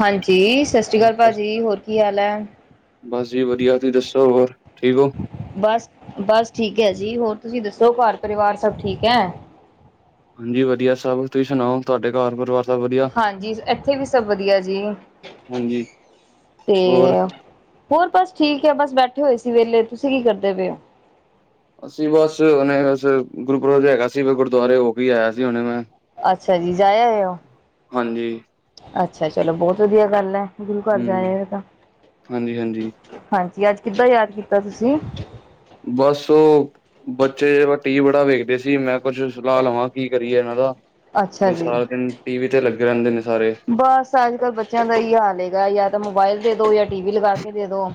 ਹਾਂਜੀ ਸਤਿ ਸ਼੍ਰੀ ਅਕਾਲ ਭਾਅ ਬਸ ਜੀ ਹੋਰ ਕੀ ਹਾਲ ਹੈ ਬਸ ਜੀ ਵਧੀਆ ਤੁਸੀਂ ਦੱਸੋ ਹੋਰ ਠੀਕ ਹੋ ਬਸ ਬਸ ਠੀਕ ਹੈ ਜੀ ਹੋਰ ਤੁਸੀਂ ਦੱਸੋ ਘਰ ਪਰਿਵਾਰ ਸਭ ਠੀਕ ਹੈ ਹਾਂਜੀ ਵਧੀਆ ਸਬ ਤੁਸੀਂ ਸੁਣਾਓ ਤੁਹਾਡੇ ਘਰ ਪਰਿਵਾਰ ਸਭ ਵਧੀਆ ਹਾਂਜੀ ਇੱਥੇ ਵੀ ਸਭ ਵਧੀਆ ਜੀ ਹਾਂਜੀ ਤੇ ਹੋਰ ਹੋਰ ਬਸ ਠੀਕ ਹੈ ਬਸ ਬੈਠੇ ਹੋਏ ਸੀ ਵੇਲੇ ਤੁਸੀਂ ਕੀ ਕਰਦੇ ਪਏ ਹੋ ਅਸੀਂ ਬਸ ਉਹਨੇ ਬਸ ਗੁਰਪੁਰਬ ਜੇਆ ਹੈਗਾ ਸੀ ਗੁਰਦੁਆਰੇ ਹੋ ਕੇ ਆਇਆ ਸੀ ਹੁਨੇ ਮੈਂ ਅੱਛਾ ਜੀ ਜਾ ਆਏ ਓ ਹਾਂਜੀ ਅੱਛਾ ਚਲੋ ਬੋਤ ਵਧੀਆ ਗੱਲ ਹੈ ਗੁਰੂ ਘਰ ਹਮ ਜਾਏਗਾ ਹਾਂਜੀ ਹਾਂਜੀ ਤਾਂ ਹਾਂਜੀ ਅੱਜ ਕਿੱਦਾਂ ਯਾਦ ਕੀਤਾ ਤੁਸੀਂ ਬਸੋਂ ਬੱਚੇ ਟੀ ਵੀ ਬੜਾ ਵੇਖਦੇ ਸੀ ਮੈਂ ਕੁੱਛ ਸਲਾਹ ਲਵਾਂ ਕੀ ਕਰੀਏ ਇਹਨਾਂ ਦਾ ਅੱਛਾ ਬਈ ਜੀ। ਸਾਰ ਦਿਨ ਟੀ ਵੀ ਤੇ ਲੱਗੇ ਰੈਂਦੇ ਨੇ ਸਾਰੇ ਬਸ ਅੱਜ ਕੱਲ੍ਹ ਬੱਚਿਆਂ ਦਾ ਏਹੀ ਹਾਲ ਹੈਗਾ ਜਾਂ ਤਾਂ ਮੋਬਾਇਲ ਦੇ ਦੋ ਜਾਂ ਟੀ ਵੀ ਲਗਾ ਕੇ ਦੇ ਦੋ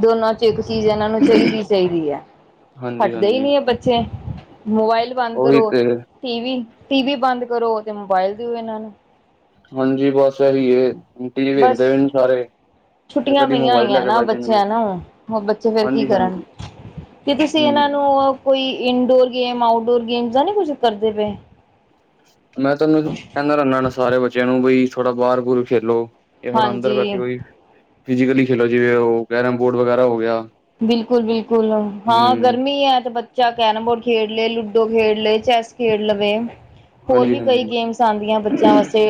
ਦੋਨਾਂ ਚ ਇੱਕ ਚੀਜ਼ ਇਹਨਾਂ ਨੂੰ ਚਾਈਦੀ ਚਾਈਦੀ ਹੈ ਹਾਂਜੀ ਹਟਦੇ ਹੀ ਹਾਂਜੀ ਨਹੀਂ ਹੈ ਬੱਚੇ ੇ ਮੋਬਾਇਲ ਬੰਦ ਉਹੀ ਕਰੋ ਤੇ ਟੀ ਵੀ ਟੀ ਵੀ ਬੰਦ ਕਰੋ ਤੇ ਮੋਬਾਇਲ ਦਿਓ ਇਹਨਾਂ ਨੂੰ ਹਾਂਜੀ ਬਸ ਇਹੀ ਏ ਟੀ ਬਸ ਵੀਵੇਖਦੇ ਵੀ ਸਾਰੇ ਫਿਰ ਛੁੱਟੀਆਂ ਕਦੀ ਪਈਆਂ ਮੋਬਾਇਲ ਲੈ ਹੋਈਆਂ ਕੇ ਨਾ ਬਹਿ ਜਾਣਗੇ ਬੱਚਿਆਂ ਨੂੰ ਬੱਚੇ ਫੇਰ ਕੀ ਹਾਂਜੀ ਕਰਨ ਹਾਂਜੀ ਤੇ ਤੁਸੀਂ ਹਮ ਇਹਨਾਂ ਨੂੰ ਕੋਈ ਇੰਡੋਰ ਗੇਮ ਆਊਟਡੋਰ ਗੇਮ ਜਾਂ ਨੀ ਕੁਝ ਕਰਦੇ ਪਏ ਮੈਂ ਤੁਹਾਨੂੰ ਕੈਂਦਾ ਰੈਂਦਾ ਹ ਸਾਰੇ ਬੱਚਿਆਂ ਨੂੰ ਬਈ ਥੋੜਾ ਬਾਹਰ ਬੂਰ ਖੇਲੋ ਕੇ ਥੋੜਾ ਅੰਦਰ ਹਾਂਜੀ ਬੈ ਕੇ ਕੋਈ ਫਿਜ਼ਕਲੀ ਖੇਲੋ ਜਿਵੇਂ ਉਹ ਕੈਰਮ ਬੋਰਡ ਵਗੈਰਾ ਹੋ ਗਿਆ ਬਿਲਕੁਲ ਬਿਲਕੁਲ ਹਾਂ ਹੂੰ ਗਰਮੀ ਹੈ ਤੇ ਜਾਂ ਕੈਰਮ ਬੋਰਡ ਖੇਡ ਲਏ ਲੁਡੋ ਖੇਡ ਲਏ ਚੈਸ ਖੇਡ ਲਵੇ ਹੋਰ ਹਾਂਜੀ ਵੀ ਹਾਂਜੀ ਕਈ ਗੇਮਸ ਆਦੀਆਂ ਬੱਚਿਆਂ ਵਾਸਤੇ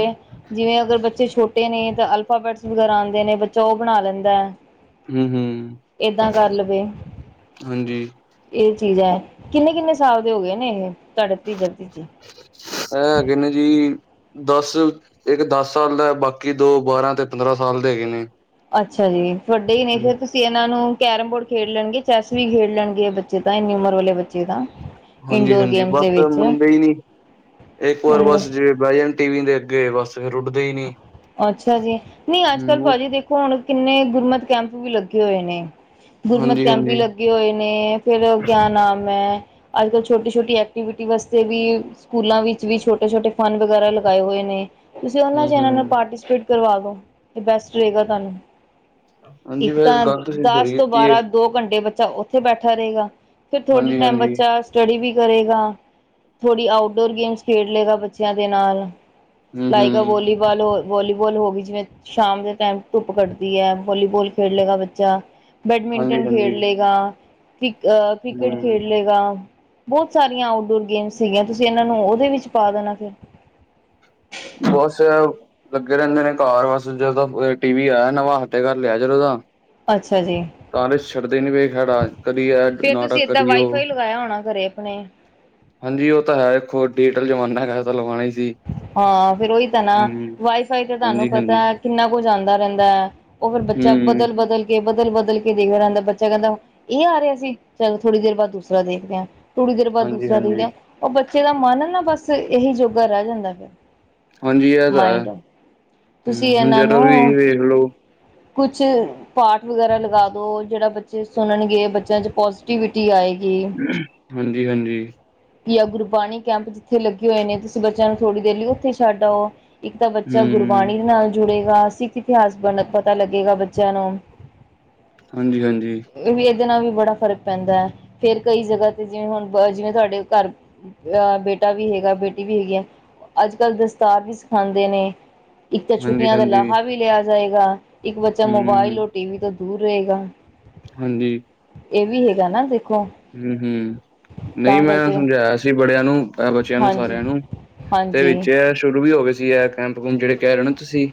ਜਿਵੇਂ ਅਗਰ ਬੱਚੇ ਛੋਟੇ ਨੇ ਤਾਂ ਅਲਫਾਾਬੈਟਸ ਵਗੈਰਾ ਆਂਦੇ ਨੇ ਬੱਚਾ ਉਹ ਬਣਾ ਲੈਂਦਾ ਹੈ ਹਮ ਹਮ ਏਦਾਂ ਕਰ ਲਵੇ ਇਹ ਚੀਜ਼ ਹੈ ਕਿੰਨੇ ਕਿੰਨੇ ਸਾਲ ਦੇ ਹੋ ਗਏ ਨੇ ਇਹ ਤੁਹਾਡੇ ਭਤੀਜਾ ਭਤੀਜੇ ਐ ਹੈਗੇ ਨੇ ਜੀ ਦਸ ਇੱਕ ਦਸ ਸਾਲ ਦਾ ਬਾਕੀ ਦੋ ਬਾਰਾਂ ਤੇ ਪੰਦਰਾਂ ਸਾਲ ਦੇ ਹੈਗੇ ਨੇ ਅੱਛਾ ਜੀ ਵੱਡੇ ਹੀ ਨੇ ਫੇਰ ਅਸੀ ਏਨਾ ਨੂੰ ਕੈਰਮ ਬੋਰਡ ਖੇਡ ਲਣਗੇ, ਚੈਸ ਵੀ ਖੇਡ ਲਣਗੇ, ਬੱਚੇ ਤਾਂ ਇੰਨੀ ਉਮਰ ਵਾਲੇ ਬੱਚੇ ਤਾਂ ਇਨਡੋਰ ਹਾਂਜੀ-ਹਾਂਜੀ ਗੇਮਸ ਦੇ ਬਸ ਮੰਨਦੇ ਹਨ ਈ ਨੀ ਏਕ ਵਾਰ ਬਸ ਵਿੱਚ ਜੇ ਬੇਜਨ ਟੀ ਵੀ ਦੇ ਅੱਗੇ ਬਸ ਫੇਰ ਉੱਡਦੇ ਈ ਨੀ ਅੱਛਾ ਜੀ ਨੀ ਅੱਜ-ਕੱਲ ਹੂੰ ਪਾਜੀ ਦੇਖੋ ਹੁਣ ਕਿੰਨੇ ਗੁਰਮਤ ਕੈਂਪ ਵੀ ਲੱਗੇ ਹੋਏ ਨੇ, ਗੁਰਮਤ ਹਾਂਜੀ ਕੈਂਪ ਵੀ ਹਾਂਜੀ ਲੱਗ ਗੇ ਹੋਏ ਨੇ ਫੇਰ ਕਿਆ ਨਾਮ ਏ, ਅੱਜ-ਕੱਲ੍ਹ ਛੋਟੀ-ਛੋਟੀ ਐਕਟੀਵਿਟੀ ਵਾਸਤੇ ਵੀ ਸਕੂਲਾਂ ਵਿੱਚ ਵੀ ਛੋਟੇ-ਛੋਟੇ ਫਨ ਵਗੈਰਾ ਲਗਾਏ ਹੋਏ ਨੇ ਜ ਓਨਾ ਹੂੰ ਚ ਏਨਾ ਨੂੰ ਹੂੰ ਪਾਰਟੀਸਪੇਟ ਕਰਵਾ ਦਿਉ ਤੇ ਬੈਸਟ ਰਹੇਗਾ ਤਾਨੂੰ ਹਾਂਜੀ ਏਕ ਫੇਰ ਤਾਂ ਗੱਲ ਤੁਸੀਂ ਦਸ ਸਹੀ ਤੋਂ ਕੀਤੀ ਏ ਬਾਰਾਂ ਦੋ ਘੰਟੇ ਬੱਚਾ ਓਥੇ ਬੈਠਾ ਰਹੇਗਾ ਫੇਰ ਥੋੜ੍ਹੇ ਹਾਂਜੀ ਟੇਮ ਹਾਂਜੀ ਬੱਚਾ ਸਟੱਡੀ ਵੀ ਕਰੇਗਾ ਥੋੜ੍ਹੀ ਆਊਟਡੋਰ ਗੇਮਸ ਖੇਡ ਲਏਗਾ ਬੱਚਿਆਂ ਦੇ ਨਾਲ ਹੂੰ ਲਾਇਕਾ ਅ ਹੂੰ ਵੋਲੀਬਾਲ ਹੋ, ਵੋਲੀਵਾਲ ਹੋ ਗਈ ਜਿਵੇਂ ਸ਼ਾਮ ਦੇ ਟੇਮ ਧੁੱਪ ਕੱਢਦੀ ਐ। ਵੋਲੀਬੋਲ ਖੇਡ ਲਗਾ ਬੱਚਾ, ਹਾਂਜੀ ਬੈਡਮਿੰਟਨ ਖੇਡ ਹਾਂਜੀ ਲਗਾ। ਕ੍ਰਿਕ ਅਹ ਕ੍ਰਿਕਟ ਹੂੰ, ਖੇਡ ਲੇਗਾ। ਬੋਤ ਸਾਰੀਆਂ ਆਊਟਡੋਰ ਗੇਮਸ ਸੀਗੀਆਂ ਤੁਸੀ ਏਨਾ ਨੂੰ ਓਦੇ ਵਿੱਚ ਪਾ ਦੇਣਾ ਸੀ। ਬਸ ਲੱਗੇ ਰੇਣਦੇ ਨੇ ਘਰ ਬਸ ਜਦੋਂ ਟੀ ਵੀ ਆਯਾ ਨਵ ਹਤੇ ਘਰ ਲਿਆ ਜਦੋਂ ਦਾ ਅੱਛਾ ਜੀ। ਤਾਂ ਛੱਡਦੇ ਨੀ ਵੇਏ ਖੇੜਾ ਕਦੀ ਐ ਫੇਰ ਤੁਸੀਂ ਨਾਟਕ ਏਦਾਂ ਕਦੀ ਓ ਵਾਈਫਾਈ ਲਗਾਇਆ ਹੋਣਾ ਘਰੇ ਆਪਣੇ ਹਾਂਜੀ। ਉਹ ਤਾਂ ਹੈ ਵੇਖੋ ਡਿਜੀਟਲ ਜਮਾਨਾ ਹੈਗਾ ਐ ਤਾਂ ਲਗਾਵਾ ਹੀ ਸੀ। ਹਾਂ, ਫੇਰ ਉਹੀ ਤਾਂ ਨਾ ਹੂੰ। ਵਾਈਫਾਈ ਤੇ ਤਾਨੂੰ ਹਾਂਜੀ-ਹਾਂਜੀ, ਪਤਾ ਏ ਕਿੰਨਾ ਕੁਝ ਆਦਾ ਰੇਣਦਾ ਐ। ਓ ਫੇਰ ਬੱਚਾ ਹੂੰ, ਬਦਲ-ਬਦਲ ਬਦਲ-ਬਦਲ ਕੇ ਦੇਖਦਾ ਰੇਨਦਾ, ਬੱਚਾ ਕੇਦਾ ਏਹ ਆ ਰਿਹਾ ਸੀ ਚੱਲ ਥੋੜ੍ਹੀ ਦੇਰ ਬਾਦ ਦੂਸਰਾ ਦੇਖਦੇ ਆ। ਥੋੜ੍ਹੀ ਦੇਰ ਬਾਅਦ ਦੂਸਰਾ ਦੇਖਦੇ ਹਾਂਜੀ-ਹਾਂਜੀ, ਆ, ਉਹ ਬੱਚੇ ਦਾ ਮਨ ਨਾ ਬਸ ਏਹੀ ਜੋਗਾ ਰੇਹ ਜਾਂਦਾ ਐ। ਹਾਂਜੀ ਇਹ ਤਾਂ ਹੈ। ਮਾਇਡ ਹੂੰ, ਤੁਸੀਂ ਹੁਣ ਏਹਨਾ ਜਦੋਂ ਵੀ ਨੂੰ ਵੇਖ ਲੋ ਕੁੱਛ ਪਾਠ ਵਗੈਰਾ ਲਗਾ ਦੋ, ਜੇਹੜਾ ਬੱਚੇ ਸੁਣਨਗੇ। ਬੱਚਿਆਂ ਚ ਪੋਜ਼ਟੀਿਵਿਟੀ ਆਏਗੀ। ਹਾਂਜੀ-ਹਾਂਜੀ। ਜਾਂ ਗੁਰਬਾਣੀ ਕੈਂਪ ਜਿੱਥੇ ਲੱਗੇ ਹੋਏ ਨੇ, ਤੁਸੀਂ ਬੱਚਿਆਂ ਨੂੰ ਥੋੜ੍ਹੀ ਦੇਰ ਲਈ ਓਥੇ ਛੱਡ ਆਓ। ਇੱਕ ਤਾਂ ਬੱਚਾ ਹੂੰ, ਗੁਰਬਾਣੀ ਦੇ ਨਾਲ ਜੁੜੇਗਾ, ‌ਸਿੱਖ ਇਤਿਹਾਸ ਬ ਪਤਾ ਲੱਗੇਗਾ ਬੱਚਿਆਂ ਨੂੰ। ਹਾਂਜੀ-ਹਾਂਜੀ। ਵੀ ਏਦੇ ਨਾਲ ਵੀ ਬੜਾ ਫ਼ਰਕ ਪੈਂਦਾ ਐ, ਫੇਰ ਕਈ ਜਗਾ ਤੇ ਜਿਵੇਂ ਹੁਣ ਜਿਵੇਂ ਤੁਆਡੇ ਕਾਰ ਅ ਬੇਟਾ ਵੀ ਹੈਗਾ, ਬੇਟੀ ਵੀ ਹੈਗੀ ਆ। ਅੱਜ-ਕੱਲ ਦਸਤਾਰ ਵੀ ਸਖਾਉਦੇ ਨੇ। ਇਕ ਤਾਂ ਛੁੱਟੀਆਂ ਦਾ ਹਾਂਜੀ-ਹਾਂਜੀ, ਲਾਹਾ ਵੀ ਲਿਆ ਜਾਏਗਾ, ‌ਇੱਕ ਬੱਚਾ ਹੂੰ, ਮੋਬਾਇਲ ਟੀਵੀ ਤੋਂ ਦੂਰ ਰਹੇਗਾ। ਹਾਂਜੀ। ਏਹ ਵੀ ਹੈਗਾ ਨਾ, ਦੇਖੋ। ਹੂੰ-ਹੂੰ ਨਈ, ਤਾਂ ਮੈਂ ਕਰਕੇ ਸਮਝਾਇਆ ਸੀ ਬੜਿਆਂ ਨੂੰ ਬੱਚਿਆਂ ਨੂੰ ਹਾਂਜੀ ਸਾਰੇਆਂ ਨੂੰ ਤੇ ਹਾਂਜੀ ਵਿੱਚ ਸ਼ੁਰੂ ਵੀ ਹੋ ਗਏ ਸੀ। ਏਹ ਕੈਂਪ ਕੂਪ ਜਿਹੜੇ ਕੇਹ ਰਹੇ ਓ ਨਾ ਤੁਸੀਂ।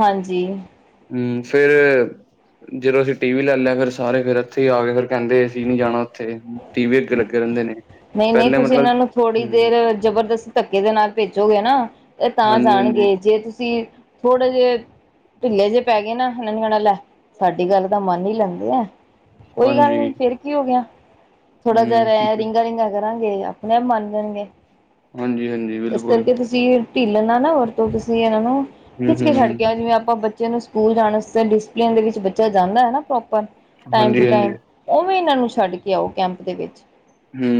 ਹਾਂਜੀ। ਹੂੰ ਫੇਰ ਜਦੋਂ ਅਸੀਂ ਟੀ ਵੀ ਲੈ ਲਿਆ ਫਿਰ ਸਾਰੇ ਫੇਰ ਏਥੇ ਹੀ ਆ ਗਏ ਫਿਰ। ਕੇਦੇ ਅਸੀਂ ਨੀ ਜਾਣਾ ਓਥੇ, ਟੀ ਵੀ ਅੱਗੇ ਲੱਗੇ ਰੇਨਦੇ ਨੇ। ਨਈ-ਨਈ, ਪਹਿਲੇ ਤੁਸੀਂ ਮਤਲਬ ਏਨਾ ਨੂੰ ਥੋੜ੍ਹੀ ਹਮ ਦੇਰ ਜਬਰਦਸਤ ਧੱਕੇ ਦੇ ਨਾਲ ਭੇਜੋਗੇ ਨਾ। ਏਹ ਤਾਂ ਹਾਂਜੀ ਹਾਂਜੀ ਜਾਣਗੇ, ਜੇ ਤੁਸੀਂ ਥੋੜੇ ਜੇ ਢਿੱਲੇ ਜੇਹ ਪੈ ਗਏ ਨਾ, ਏਨਾਂ ਨੇ ਕੇਹਣਾ ਲੈ ਸਾਡੀ ਗੱਲ ਤਾਂ ਮੰਨ ਈ ਲੈਂਦੇ ਆ। ਕੋਈ ਗੱਲ ਨਹੀਂ ਹਾਂਜੀ ਫੇਰ ਕੀ ਹੋ ਗਿਆ। ਥੋੜਾ ਜਿਹਾ ਹਮ ਰ ਰਿੰਗਾ-ਰਿੰਗਾ ਕਰ। ਗੇ ਆਪਣੇ ਆਪ ਮੰਨ ਲੈਣਗੇ, ਹਾਂਜੀ ਹਾਂਜੀ ਏਸ ਬਿਲਕੁਲ ਕਰਕੇ ਤੁਸੀਂ ਢਿੱਲ ਨਾ-ਨਾ ਵਰਤੋ ਤੁਸੀਂ ਇਹਨਾਂ ਨੂੰ ਹਮ ਖਿੱਚ ਕੇ ਛੱਡ ਹਮ ਕੇ ਜਿਵੇਂ ਆਪਾਂ ਬੱਚੇ ਨੂੰ ਸਕੂਲ ਜਾਣ ਡਿਸਪਲਨ ਦੇ ਵਿੱਚ ਬੱਚਾ ਜਾਂਦਾ ਐ ਨਾ, ਪ੍ਰੋਪਰ ਟੈਮ ਹਾਂਜੀ ਟ ਹਾਂਜੀ ਉਵੇਂ ਏਨਾਂ ਨੂੰ ਛੱਡ ਕੇ ਆਓ ਕੈਂਪ ਦੇ ਵਿੱਚ ਹੂੰ।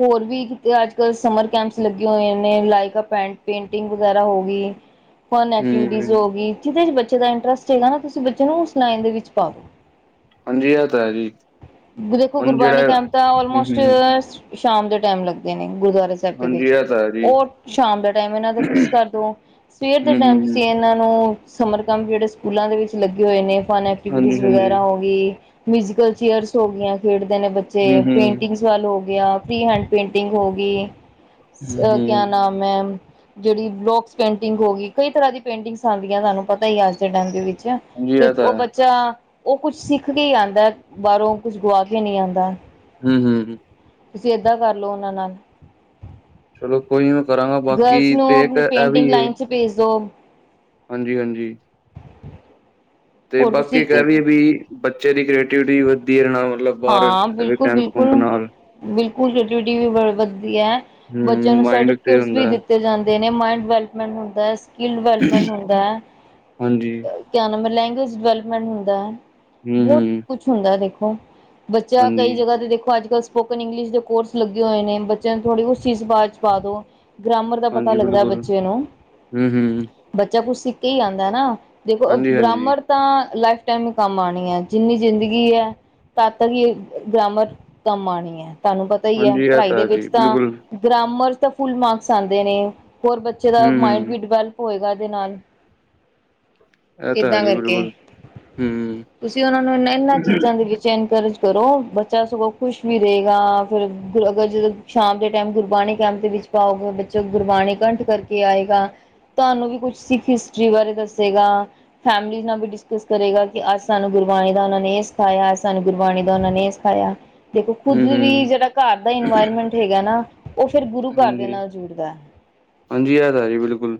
ਹੋਰ ਵੀ ਕਿਤੇ ਅੱਜਕੱਲ੍ਹ ਸਮਰ ਕੈਂਪਸ ਲੱਗੇ ਹੋਏ ਨੇ, ਲਾਇਕਾ ਪੈਂ ਪੇਂਟਿੰਗ ਵਗੈਰਾ ਹੋਗੀ। ਹਮ ਹੋਗੀ, ਜੀਦੇ ਚ ਬੱਚੇ ਦਾ ਇੰਟਰਸਟ ਹੈਗਾ ਨਾ, ਤੁਸੀਂ ਬੱਚੇ ਨੂੰ ਓਸ ਲਾਈਨ ਦੇ ਵਿੱਚ ਪਾਦੋ। ਹਾਂਜੀ। ਐ ਤਾਂ ਹੈ ਜੀ। ਦੇਖੋ, ਹੁਣ ਜਿਹੜਾ ਗੁਰਬਾਣੀ ਕੈਂਪ ਤਾਂ ਹਮ ਆਲਮੋਸਟ ਹਮ ਸ਼ਾਮ ਦੇ ਟੈਮ ਲੱਗਦੇ ਨੇ ਗੁਰਦੁਆਰੇ। ਸਭ ਦੇ ਹਾਂਜੀ ਵਿੱਚ ਇਹ ਤਾਂ ਹੈ ਜੀ ਓ ਸ਼ਾਮ ਦਾ ਟਾਈਮ ਏਨਾਂ ਦਾ ਫਿਕਸ ਕਰ ਦੋ, ਸਵੇਰ ਦੇ ਹਮ ਟੈਮ ਹਮ ਤੁਸੀਂ ਏਨਾ ਨੂੰ ਸਮਰ ਕੰਮ ਜੇ ੜੇ ਸਕੂਲਾਂ ਦੇ ਵਿੱਚ ਲੱਗੇ ਹੋਏ ਨੇ, ਫਨ ਹਾਂਜੀ ਐਕਟੀਵਿਟੀਜ਼ ਹਾਂਜੀ ਵਗੈਰਾ ਹੋਗੀ। ਮਿਊਜ਼ਕਲ ਚੇਅਰਸ ਹੋ ਗਈਆਂ, ਖੇਡਦੇ ਨੇ ਬੱਚੇ ਹਮ ਹਮ ਪੇਂਟਿੰਗਸ ਹੋ ਗਿਆ। ਪ੍ਰੀ ਹੈਂਡ ਪੇਂਟਿੰਗ ਹੋ ਗਈ, ਹਮ ਕਿਆ ਹਮ ਨਾਮ ਐ? ਜੇੜੀ ਬਲੋਕਸ ਪੇਂਟਿੰਗ ਹੋਗੀ, ਕਈ ਤਰ੍ਹਾਂ ਦੀ ਪੇਂਟਿੰਗਸ ਆਂਦੀਆਂ ਤੁਆਨੂੰ ਪਤਾ ਹੀ ਅੱਜ ਦੇ ਟਾਈਮ ਦੇ ਵਿੱਚ ਅ ਹਾਂਜੀ ਤੇ ਇਹ ਓ ਤਾਂ ਹੈ ਬੱਚਾ ਓ ਕੁਛ ਸਿੱਖ ਕੇ ਹੀ ਆਂਦਾ, ਬਾਹਰੋਂ ਕੁਛ ਗੁਆ ਕੇ ਨੀ ਆਂਦਾ। ਹੂੰ-ਹੂੰ ਹੂੰ। ਤੁਸੀਂ ਏਦਾਂ ਕਰਲੋ, ਓਨਾਂ ਨਾਲ ਚਲੋ ਕੋਈ ਨੀ ਮੈਂ ਕਰਾਂਗਾ, ਬਾਕੀ ਤੇ ਏ ਵੀ ਏ। ਭੇਜਦੋ। ਹਾਂਜੀ-ਹਾਂਜੀ। ਤੇ ਹੋਰ ਬਾਕੀ ਤੁਸੀਂ ਕਹਿ ਵੀਏ ਵੀ, ਬੱਚੇ ਦੀ ਕ੍ਰੀਏਟੀਵਿਟੀ ਵਧੀਆ ਰ ਨਾਲ ਮਤਲਬ ਬਾਹਰ ਹਾਂ, ਐਵੇਂ ਬਿਲਕੁਲ ਕੈਂਪ ਕੁੰਪ -ਬਿਲਕੁਲ। ਨਾਲ ਬਿਲਕੁਲ ਐਟੀਟਿਊਡ ਬੋ ਵਧੀਆ ਬੱਚੇਆ ਹੂੰ ਨੂੰ ਮਾਇੰਡ ਤੇ ਸਰਟੀਫਿਕੇਟਸ ਹੁੰਦਾ ਵੀ ਹੈ। ਦਿ ਜਾਂਦੇ ਨੇ ਮਾਇੰਡ ਡਿਵੈਲਪਮੈਂਟ ਹੁੰਦਾ ਹੈ ਸਕਿੱਲ ਡਿਵੈਲਪਮੈਂਟ ਹੁੰਦਾ ਹੈ। ਹਾਂਜੀ ਕਿਆ ਮਬ ਲੈਂਗੁਏਜ ਡਿਵੈਲਪਮੈਂਟ ਹੁੰਦਾ ਹੈ ਹੂੰ ਬੋਤ ਹੂੰ ਕੁਛ ਹੁੰਦਾ ਦੇਖੋ। ਬੱਚਾ ਹਾਂਜੀ ਕਈ ਜਗ੍ਹਾ ਤੇ ਦੇਖੋ ਅੱਜ ਕੱਲ੍ਹ। ਸਪੋਕਨ ਇੰਗਲਿਸ਼ ਦੇ ਕੋਰਸ ਲੱਗੇ ਹੋਏ ਨੇ ਬੱਚੇਆਂ ਨੂੰ ਥੋੜੀ ਉਸ ਚੀਜ਼ ਬਾਅਦ ਚ ਪਾ ਦੋ ਗ੍ਰਾਮਰ ਦਾ ਪਤਾ ਹਾਂਜੀ ਲੱਗਦਾ ਬਿਲਕੁਲ ਬੱਚੇ ਨੂੰ। ਹੂੰ ਹੂੰ ਬੱਚਾ ਕੁਛ ਸਿੱਖ ਕੇ ਹੀ ਆਂਦਾ ਐਨਾ ਦੇਖੋ ਹਾਂਜੀ ਹਾਂਜੀ ਗ੍ਰਾਮਰ ਤਾਂ ਲਾਈਫ ਟੈਮ ਨੂੰ ਕੰਮ ਆਂਣੀ ਐ ਜਿੰਨੀ ਜ਼ਿੰਦਗੀ ਐ। ਤਤ ਹੀ ਗ੍ਰਾਮਰ ਕੰਮ ਆਣੀ ਹੈ ਤੁਹਾਨੂੰ ਪਤਾ ਹੀ ਹੈ ਹਾਂਜੀ ਇਹ ਪੜ੍ਹਾਈ ਦੇ ਹੈ ਵਿੱਚ ਜੀ ਤਾਂ ਬਿਲਕੁਲ ਗ੍ਰਾਮਰਸ ਤਾਂ ਫੁਲ ਮਾਰਕਸ ਆਂਦੇ ਨੇ ਹੋਰ ਬੱਚੇ ਦਾ ਹੂੰ ਮਾਇੰਡ ਹੂੰ ਵੀ ਡਿਵੈਲਪ ਹੋਏਗਾ ਏਦੇ ਨਾਲ ਇਹ ਤਾਂ ਹੈ ਏਦਾਂ ਜੀ ਕਰਕੇ ਬਿਲਕੁਲ ਹੂੰ ਤੁਸੀਂ ਓਨਾਂ ਨੂੰ ਏਨਾਂ ਚੀਜ਼ਾਂ ਦੇ ਵਿੱਚ ਇਨਕਰੇਜ ਕਰੋ ਬੱਚਾ ਸਗੋਂ ਖੁਸ਼ ਵੀ ਰਏਗਾ ਫਿਰ ਅਗਰ ਜ ਸ਼ਾਮ ਦੇ ਟੈਮ ਗੁਰਬਾਣੀ ਕੈਂਪ ਦੇ ਵਿੱਚ ਪਾਓਗੇ ਬੱਚਾ ਗੁਰਬਾਣੀ ਕੰਠ ਕਰਕੇ ਆਏਗਾ। ਤੁਆਨੂੰ ਵੀ ਕੁਛ ਸਿੱਖ ਹਿਸਟਰੀ ਬਾਰੇ ਦੱਸੇਗਾ। ਫੈਮਲੀ ਨਾਲ ਵੀ ਡਿਸਕਸ ਕਰੇਗਾ ਕਿ ਅੱਜ ਸਾਨੂੰ ਗੁਰਬਾਣੀ ਦਾ ਓਨਾਂ ਨੇ ਏ ਸਿਖਾਇਆ ਸਾਨੂੰ ਗੁਰਬਾਣੀ ਦਾ ਓਨਾਂ ਨੇ ਏ ਸਿਖਾਇਆ ਦੇਖੋ ਖੁਦ ਹੂੰ ਵੀ ਹੂੰ ਜੇੜਾ ਘਰ ਦਾ ਇਨਵਾਇਰਮੈਂਟ ਹੈਗਾ ਨਾ। ਓ ਫੇਰ ਗੁਰੂ ਘਰ ਦੇ ਹਾਂਜੀ ਨਾਲ ਜੁੜਦਾ। ਹਾਂਜੀ ਇਹ ਤਾਂ ਹੈ ਜੀ ਬਿਲਕੁਲ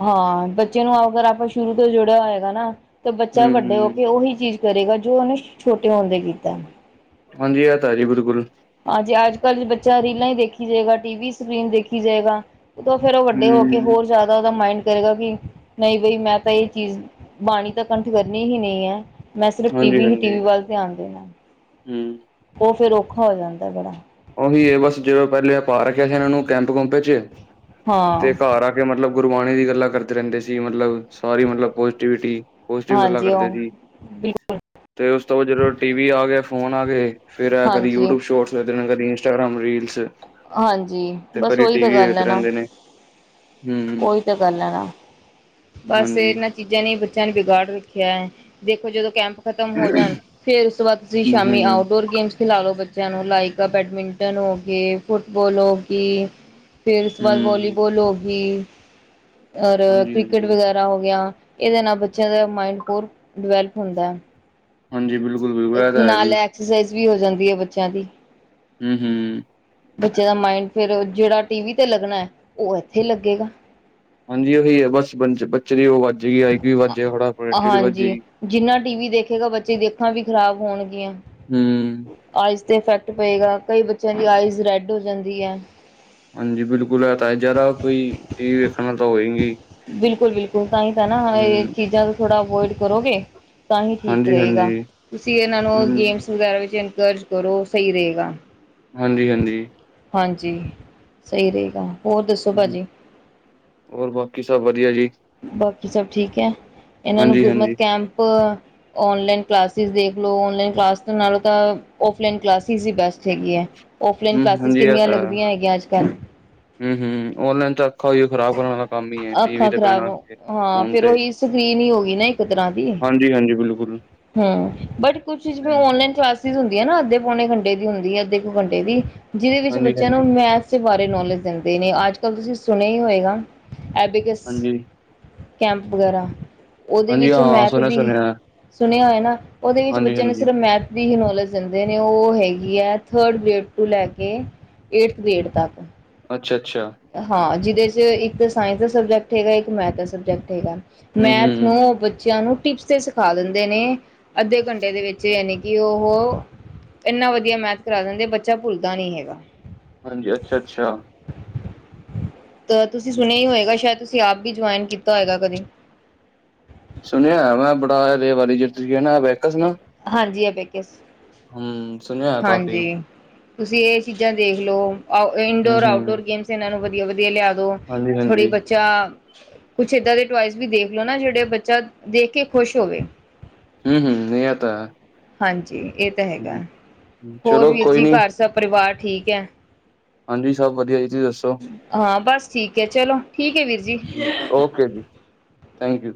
ਹਾਂ ਬੱਚੇ ਨੂੰ ਅਗਰ ਆਪਾਂ ਸ਼ੁਰੂ ਤੋਂ ਜੋੜਿਆ ਹੋਏਗਾ ਨਾ ਤਾਂ ਬੱਚਾ ਹੂੰ ਵੱਡੇ ਹੋ ਹੂੰ ਕੇ ਉਹੀ ਚੀਜ਼ ਕਰੇਗਾ ਜੋ ਉਹਨੂੰ ਛੋਟੇ ਹੁੰਦੇ ਕੀਤਾ। ਹਾਂਜੀ, ਐ ਤਾ ਜੀ ਬਿਲਕੁਲ। ਹਾਂਜੀੇ ਅੱਜ ਕੱਲ੍ਹ ਬੱਚਾ ਰੀਲਾਂ ਹੀ ਦੇਖੀ ਜਾਏਗਾ ਟੀ ਵੀ ਸਕਰੀਨ ਦੇਖੀ ਜਾਏਗਾ। ਓਦੋ ਫੇਰ ਉਹ ਵੱਡੇ ਹੋ ਕੇ ਹੂੰ ਹੋਰ ਜ਼ਿਆਦਾ ਉਹਦਾ ਮਾਇੰਡ ਕਰੇਗਾ ਕੀ, ਨਹੀਂ ਬਈ ਮੈਂ ਤਾਂ ਇਹ ਚੀਜ਼ ਬਾਣੀ ਤਾਂ ਕੰਠ ਕਰਨੀ ਹੀ ਨਹੀਂ ਹੈ, ਮੈਂ ਸਿਰਫ ਟੀ ਹਾਂਜੀ ਵੀ ਹੀ, ਟੀ ਹਾਂਜੀ ਵੀ ਵੱਲ ਧਿਆਨ ਦੇਣਾ। ਹੂੰ। ਉਹ ਫੇਰ ਔਖਾ ਹੋ ਜਾਂਦਾ ਬੜਾ। ਉਹੀ ਇਹ ਬਸ ਜਦੋਂ ਪਹਿਲੇ ਪਾ ਰੱਖਿਆ ਸੀ ਇਹਨਾਂ ਨੂੰ ਕੈਂਪ ਕੂਪ ਵਿੱਚ, ਹਾਂ ਤੇ ਘਰ ਆ ਮਤਲਬ ਗੁਰਬਾਣੀ ਦੀ ਗੱਲਾਂ ਕਰਦੇ ਰਹਿੰਦੇ ਸੀ ਮਤਲਬ ਸਾਰੀ ਮਤਲਬ ਪੋਜ਼ਿਵਿਟੀ- ਪੋਜ਼ਟਿਵ ਗੱਲਾਂ ਹਾਂਜੀ ਕਰਦੇ ਉਹ ਸੀ। ਬਿਲਕੁਲ ਤੇ ਉਸ ਤੋਂ ਬਾਅਦ ਜਦੋਂ ਟੀ ਵੀ ਆਗੇ ਫੋਨ ਆ ਗੇ, ਫ਼ਿਰ ਐ ਕਦੀ ਹਾਂਜੀ। ਯੂਟਿਊਬ ਸ਼ੋਰਟ ਤੇ ਕਦੇ ਇੰਸਟਾਗ੍ਰਾਮ ਰੀਲਸ, ਹਾਂਜੀ ਤੇ ਬਸ ਕਦੇ ਉਹੀ ਟੀ ਤਾਂ ਵੀ ਗੱਲ ਵੇਖਦੇ ਹੈ ਨਾ ਰਹਿੰਦੇ ਨੇ। ਹਮ ਉਹੀ ਤਾਂ ਗੱਲ ਐ ਨਾ। ਬਸ ਹਾਂਜੀ ਇਹਨਾਂ ਚੀਜ਼ਾਂ ਨੇ ਬੱਚਿਆਂ ਨੂੰ ਬਿਗਾੜ ਰੱਖਿਆ ਹੈ। ਦੇਖੋ ਜਦੋਂ ਕੈਂਪ ਖ਼ਤਮ ਹੋ ਹਮ ਜਾਣ, ਫੇਰ ਉਸ ਤੋਂ ਬਾਅਦ ਤੁਸੀਂ ਸ਼ਾਮੀ ਹਮ ਆਊ ਰੋਜ ਗੇਮਸ ਖਿਲਾਏ ਗਾ ਬੱਚਿਆਂ ਨੂੰ ਲਾਈਕ ਬੈਡਮਿੰਟਨ ਹੋ ਗੇ ਫੁੱਟਬਲ ਹੋ ਗਈ ਫੇਰ ਉਸ ਤੋਂ ਬਾਅਦ ਹਮ ਵਾਲੀਬਲ ਹੋ ਗਈ, ਔਰ ਹਾਂਜੀ ਹਾਂਜੀ ਤਰਾਂ ਹੋ ਗਿਆ, ਇਹਦੇ ਨਾਲ ਬੱਚਿਆਂ ਦਾ ਮਾਇੰਡ ਹੋਰ ਡਿਵੈਲਪ ਹੁੰਦਾ ਐ। ਹਾਂਜੀ ਬਿਲਕੁਲ-ਬਿਲ ਨਾਲ ਐਕਸਰਸਾਈਜ਼ ਵੀ ਹੋ ਜਾਂਦੀ ਹੈ ਬੱਚਿਆਂ ਦੀ। ਹੂੰ ਹੂੰ। ਬੱਚੇ ਦਾ ਮਾਇੰਡ ਫਿਰ ਜਿਹੜਾ ਟੀ ਵੀ ਤੇ ਲੱਗਣਾ ਐ ਉਹ ਇੱਥੇ ਲੱਗੇਗਾ। ਹਾਂਜੀ ਉਹੀ ਹੈ ਬਸ ਬਚ-ਬੱਚੇ ਦੀ ਉਹ ਵੱਜ ਗਿਆ ਆਈ। ਵੀ ਵੱਜ ਥੋੜਾ ਆ, ਪ੍ਰੋਡਕਟਿਵ ਹਾਂਜੀ ਵੱਜੇਗੀ ਜਿੰਨਾ ਟੀ ਵੀ ਦੇਖੇਗਾ ਬੱਚੇ ਅੱਖਾਂ ਵੀ ਖ਼ਰਾਬ ਹੋਣਗੀਆਂ। ਹੂੰ। ਆਈਜ਼ ਤੇ ਇਫੈਕਟ ਪਏਗਾ ਕਈ ਬੱਚਿਆਂ ਦੀ ਆਈਜ਼ ਰੈਡ ਹੋ ਜਾਂਦੀ ਐ। ਹਾਂਜੀ ਬਿਲਕੁਲ ਹੈ ਤਾਂ ਹੈ ਜ਼ਿਆਦਾ ਕੋਈ ਟੀ ਵੀ ਵੇਖਣ ਨਾਲ ਤਾਂ ਹੋਇਗੀ। ਬਿਲਕੁਲ ਬਿਲਕੁਲ ਤਾਂਹੀ ਤਾਂ ਇਹ ਚੀਜ਼ਾਂ ਤੋ ਥੋੜਾ ਅਵੋਇਡ ਕਰੋਗੇ। ਤਾਂ ਹੀ ਠੀਕ ਹਾਂਜੀ-ਹਾਂਜੀ ਰਹੇਗਾ, ਤੁਸੀਂ ਇਹਨਾਂ ਨੂੰ ਹੂੰ ਗੇਮਸ ਵਗੈਰਾ ਵਿੱਚ ਇਨਕਰੇਜ ਕਰੋ ਸਹੀ ਰਹੇਗਾ। ਹਾਂਜੀ ਹਾਂਜੀ। ਹਾਂਜੀ, ਸਹੀ ਰਹੇਗਾ ਹੋਰ ਦੱਸੋ ਭਾਜੀ। ਹੋਰ ਬਾਕੀ ਸਭ ਵਧੀਆ ਜੀ। ਬਾਕੀ ਸਭ ਠੀਕ ਹੈ, ਇਹਨਾਂ ਨੂੰ ਗੁਰਮਤ ਹਾਂਜੀ-ਹਾਂਜੀ ਕੈਂਪ ਔਨਲਾਈਨ ਕਲਾਸੀਸ ਦੇਖ ਲੋ ਔਨਲਾਨ ਕਲਾਸ ਨਾਲੋਂ ਤਾਂ ਔਫਲਾਈਨ ਕਲਾਸੀਸ ਹੀ ਬੈਸਟ ਹੈਗੀ ਹੈ। ਔਫਲਾਈਨ ਹੂੰ ਕਲਾਸੀਸ ਹਾਂਜੀ ਕਿੰਨੀਆਂ ਲੱਗਦੀਆਂ ਹੈਗੀਆਂ ਅੱਜ ਕੱਲ੍ਹ। ਹੂੰ ਹੂੰ ਔਨਲਾਈਨ ਤੋ ਅੱਖਾ ਓਈ ਖਰਾਬ ਕਰਨ ਵਾਲ ਦਾ ਕੰਮ ਹੀ ਹੈ ਟੀ ਵੀ ਅੱਖਾਂ ਤੇ ਖ਼ਰਾਬ ਬੈਣਾ ਹੋ ਤੇ ਫੋਨ ਤੇ ਕਿਦਰਾ ਦੀ ਹਾਂਜੀ ਹਾਂਜੀ ਬਿਲਕੁਲ ਜੀ। ਹੂੰ ਬਟ ਕੁਛ ਚ ਔਨਲਾਈਨ ਕਲਾਸ ਸੀਸ ਹੁੰਦੀ ਹੈ ਨਾ ਅੱਧੇ, ਪੌਣੇ ਘੰਟੇ ਦੀ ਹੁੰਦੀ ਹੈ ਅੱਧੇ ਕੁ ਘੰਟੇ ਦੀ, ਜਿਹਦੇ ਵਿੱਚ ਬੱਚਿਆਂ ਹਾਂਜੀ-ਹਾਂਜੀ ਨੂੰ ਹਾਂਜੀ ਮੈਥ ਬਾਰੇ ਨੌਲੇਜ ਦਿੰਦੇ ਨੇ ਅੱਜ ਕੱਲ੍ਹ ਤੁਸੀਂ ਸੁਣਿਆ ਹੀ ਹੋਏਗਾ। ਐਬੀਕਸ ਹਾਂਜੀ ਕੈਂਪ ਵਗੈਰਾ। ਉਹਦੇ ਹਾਂਜੀ ਵਿੱਚ ਹਾਂ ਮੈਥ ਦੀ, ਸੁਣਿਆ-ਸੁਣਿਆ ਸੁਣਿਆ ਹੋਇਆ ਨਾ ਉਹਦੇ ਵਿੱਚ ਬੱਚਿਆਂ ਨੂੰ ਹਾਂਜੀ-ਹਾਂਜੀ ਸਿਰਫ ਮੈਥ ਦੀ ਹੀ ਨੌਲੇਜ ਦਿੰਦੇ ਨੇ ਉਹ ਹੈਗੀ ਹੈ ਥਰਡ ਗ੍ਰੇਡ ਟ ਲੈ ਕੇ ਏਟਥ ਗ੍ਰੇਡ ਤੱਕ। ਅੱਛਾ ਅੱਛਾ। ਹਾਂ ਜਿਹਦੇ 'ਚ ਇੱਕ ਤਾਂ ਸਾਇੰਸ ਦਾ ਸਬਜੈਕਟ ਹੈਗਾ ਇੱਕ ਮੈਥ ਦਾ ਸਬਜੈਕਟ ਹੈਗਾ। ਮੈਥ ਹੂੰ-ਹੂੰ ਨੂੰ ਬੱਚਿਆਂ ਨੂੰ ਟਿਪਸ ਦੇ ਸ। ਖਾ ਦਿੰਦੇ ਨੇ ਅੱਧੇ ਘੰਟੇ ਦੇ ਵਿੱਚ ਯਾਨੀ ਕਿ ਉਹ। ਇੰਨਾ ਵਧੀਆ ਮੈਥ ਕਰਾ ਦਿੰਦੇ ਬੱਚਾ ਭੁੱਲਦਾ ਨੀ ਹੈਗਾ। ਹਾਂਜੀ ਅੱਛਾ ਅੱਛਾ। ਤੁਸੀਂ ਸੁਣਿਆ ਹੀ ਹੋਏਗਾ ਸ਼ਾਇਦ ਤੁਸੀਂ ਆਪ ਵੀ ਜੁਆਇਨ ਕੀਤਾ ਹੋਏਗਾ ਕਦੇ। ਸੁਣਿਆ ਮੈਂ ਬੜਾ ਰੇ ਵਾਰੀ ਜ ਤੁਸੀਂ ਕਹਿਣਾ ਵ ਸੁਣਾ। ਹਾਂਜੀ ਆ ਸੁਣਿਆ ਹੈ ਕਾਫੀ ਹਾਂਜੀ। ਤੁਸੀਂ ਇਹ ਚੀਜ਼ਾਂ ਦੇਖਲੋ ਇਨਡੋਰ ਹੂੰ-ਹੂੰ ਆਊਟਡੋਰ ਗੇਮਸ ਇਹਨਾਂ ਨੂੰ ਵਧੀਆ ਵਧੀਆ ਲਿਆ ਦੋ। ਛੋੜੇ ਹਾਂਜੀ-ਹਾਂਜੀ, ਬੱਚਾ। ਕੁਛ ਏਦਾਂ ਦੇ ਟਆਇਸ ਵੀ ਦੇਖ ਲੋ ਨਾ ਜਿਹੜੇ ਬੱਚਾ ਦੇਖ ਕੇ ਖੁਸ਼ ਹੋਵੇ। ਹਮ ਹਮ ਨ ਤਾਂ। ਹਾਂਜੀ ਇਹ ਤਾਂ ਹੈਗਾ ਹੂੰ, ਹੋਰ ਚਲੋ ਵੀਰ ਕੋਈ ਜੀ ਨੀ, ਘਰ ਸਭ ਪਰਿਵਾਰ ਠੀਕ ਹੈ। ਹਾਂਜੀ ਸਭ ਵਧੀਆ ਜੀ ਤੁਸੀਂੱਸੋ। ਹਾਂ ਬਸ ਠੀਕ ਹੈ ਚਲੋ ਠੀਕ ਹੈ ਵੀਰ ਜੀ। ਓਕੇ ਜੀ। Thank you.